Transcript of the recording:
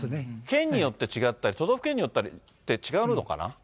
県によって違ったり、都道府県によって違うのかな。